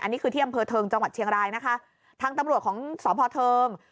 อันนี้คือที่อำเภอเทิงจังหวัดเชียงรายนะคะทางตำรวจของสพเทิง